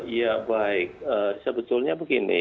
ya baik sebetulnya begini